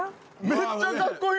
めっちゃかっこいい！